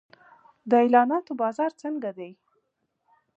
د اعلاناتو بازار څنګه دی؟